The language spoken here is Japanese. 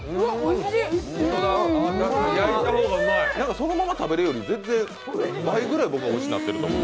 そのまま食べるより倍くらいおいしなってると思う。